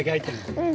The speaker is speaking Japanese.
うん。